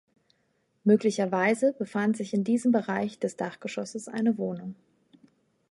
Möglicherweise befand sich in diesem Bereich des Dachgeschosses eine Wohnung.